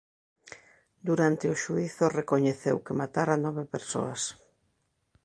Durante o xuízo recoñeceu que matara nove persoas.